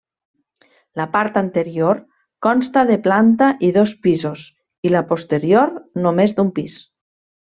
La part anterior consta de planta i dos pisos i la posterior només d'un pis.